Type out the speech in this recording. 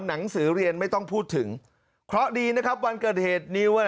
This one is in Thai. หนังสือเรียนไม่ต้องพูดถึงเพราะดีนะครับวันเกิดเหตุนิวอ่ะ